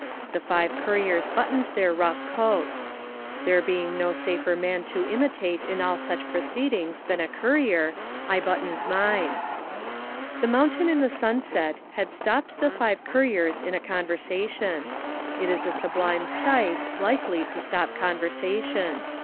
The five couriers buttoned their rough coats. There being no safer man to imitate in all such proceedings than a courier, I buttoned mine. The mountain in the sunset had stopped the five couriers in a conversation. It is a sublime sight, likely to stop conversation.